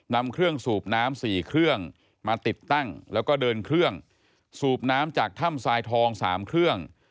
นำเครื่องสูบน้ำ๔เครื่องมาติดตั้งแล้วก็เดินเครื่องสูบน้ำจากถ้ำทรายทอง๓เครื่อง